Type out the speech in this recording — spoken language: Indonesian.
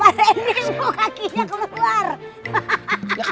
pak randy suka kakinya keluar